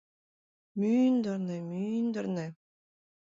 — Мӱндырнӧ-мӱндырнӧ...